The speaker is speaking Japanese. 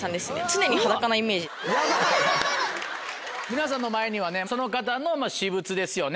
皆さんの前にはねその方の私物ですよね。